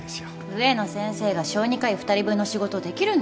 植野先生が小児科医２人分の仕事できるんですか？